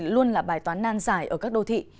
luôn là bài toán nan giải ở các đô thị